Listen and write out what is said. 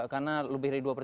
karena lebih dari dua per tiga